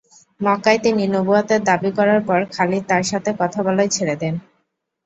মক্কায় তিনি নবুওয়াতের দাবি করার পর খালিদ তাঁর সাথে কথা বলাই ছেড়ে দেন।